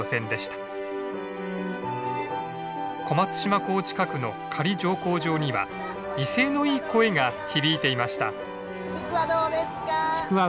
小松島港近くの仮乗降場には威勢のいい声が響いていました。